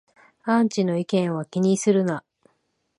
アンチの意見は気にするな